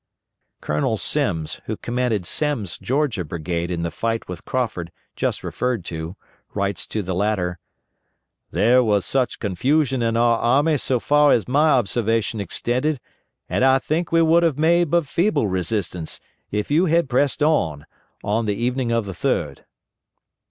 Colonel Simms, who commanded Semmes' Georgia brigade in the fight with Crawford just referred to, writes to the latter, "There was much confusion in our army so far as my observation extended, and I think we would have made but feeble resistance, if you had pressed on, on the evening of the 3d."